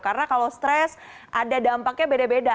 karena kalau stres ada dampaknya beda beda